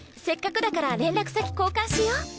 せっかくだから連絡先交換しよう。